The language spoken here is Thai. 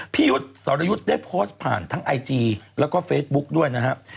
ยุทธ์สรยุทธ์ได้โพสต์ผ่านทั้งไอจีแล้วก็เฟซบุ๊กด้วยนะครับ